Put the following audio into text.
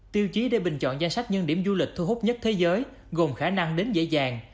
tiêu chí để bình chọn danh sách những điểm du lịch thu hút nhất thế giới gồm khả năng đến dễ dàng